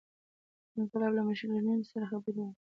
د انقلاب له مشر لینین سره خبرې وکړي.